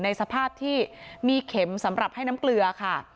ในสภาพที่มีเข็มสำหรับให้น้ำเกลือค่ะ